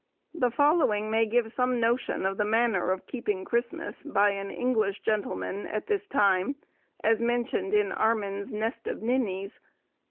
The following may give some notion of the manner of keeping Christmas, by an English gentleman, at this time, as mentioned in Armin's 'Nest of Ninnies.